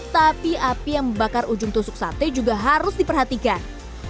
tapi api yang membakar ujung tusuk sate juga harus diperhatikan